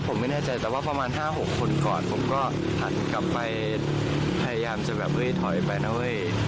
ผมไม่แน่ใจแต่ว่าประมาณ๕๖คนก่อนผมก็หันกลับไปพยายามจะแบบเฮ้ยถอยไปนะเว้ย